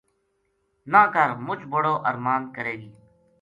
نہ کر مُچ بڑو ارماند کرے گی